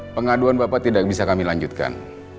pengaduan bapak tidak bisa kami lanjutkan